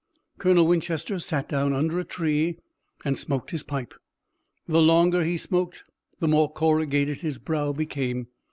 Colonel Winchester sat down under a tree and smoked his pipe. The longer he smoked the more corrugated his brow became.